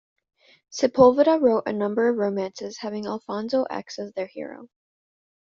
Sepúlveda wrote a number of romances having Alfonso X as their hero.